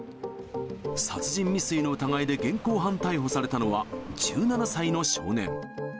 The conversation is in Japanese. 殺人未遂の疑いで現行犯逮捕されたのは、１７歳の少年。